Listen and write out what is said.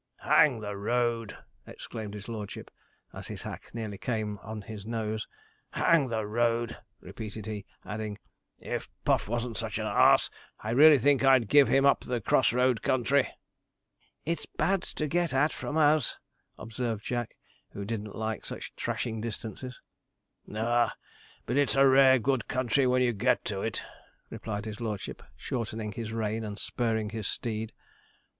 'Hang the road!' exclaimed his lordship, as his hack nearly came on his nose, 'hang the road!' repeated he, adding, 'if Puff wasn't such an ass, I really think I'd give him up the cross road country.' 'It's bad to get at from us,' observed Jack, who didn't like such trashing distances. 'Ah! but it's a rare good country when you get to it,' replied his lordship, shortening his rein and spurring his steed.